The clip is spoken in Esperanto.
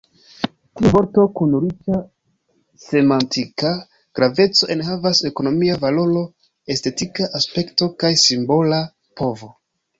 Tiu vorto, kun riĉa semantika graveco, enhavas ekonomia valoro, estetika aspekto kaj simbola povo.